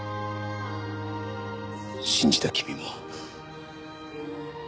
信じた君も。